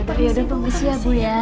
periode pengusia bu ya